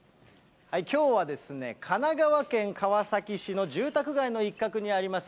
きょうは神奈川県川崎市の住宅街の一角にあります